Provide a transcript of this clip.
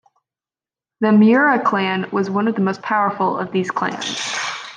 The Miura clan was one of the most powerful of these clans.